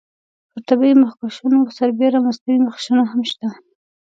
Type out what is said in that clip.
پر طبیعي مخکشونو سربیره مصنوعي مخکشونه هم شته.